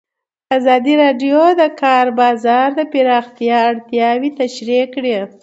ازادي راډیو د د کار بازار د پراختیا اړتیاوې تشریح کړي.